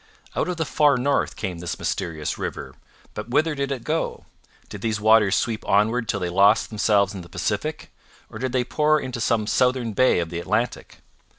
Out of the far north came this mysterious river; but whither did it go? Did these waters sweep onward till they lost themselves in the Pacific, or did they pour into some southern bay of the Atlantic?